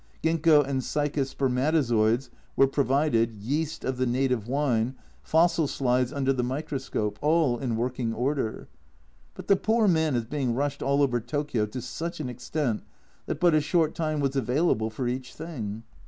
Ginkgo and cycas spermatozoids were provided, yeast of the native wine, fossil slides under the microscope all in working order. But the poor man is being rushed all over Tokio to such an extent that but a short time was available for each thing.